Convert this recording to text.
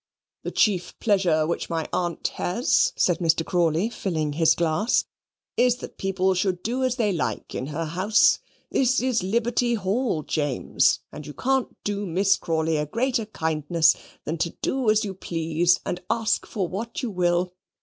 "The chief pleasure which my aunt has," said Mr. Crawley, filling his glass, "is that people should do as they like in her house. This is Liberty Hall, James, and you can't do Miss Crawley a greater kindness than to do as you please, and ask for what you will.